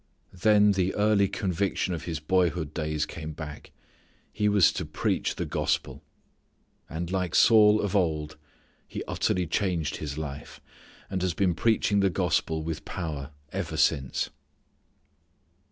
Then the early conviction of his boyhood days came back. He was to preach the gospel. And like Saul of old, he utterly changed his life, and has been preaching the gospel with power ever since.